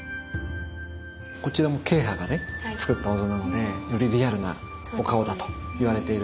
こちらも慶派がねつくったお像なのでよりリアルなお顔だといわれているんですね。